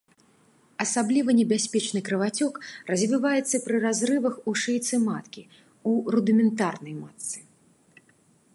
Асабліва небяспечны крывацёк развіваецца пры разрывах у шыйцы маткі, у рудыментарнай матцы.